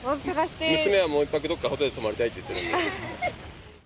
娘はもう１泊、どっかホテル泊まりたいって言ってるんで。